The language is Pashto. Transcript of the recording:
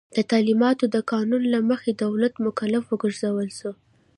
د تعلیماتو د قانون له مخي دولت مکلف وګرځول سو.